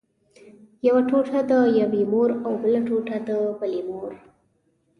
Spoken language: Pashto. یوه ټوټه د یوې مور او بله ټوټه د بلې مور.